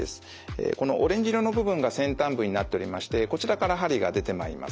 このオレンジ色の部分が先端部になっておりましてこちらから針が出てまいります。